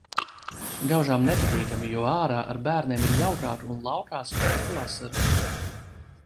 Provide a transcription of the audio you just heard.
Gaužām nepatīkami, jo ārā ar bērniem ir jaukāk un laukā skaista vasara.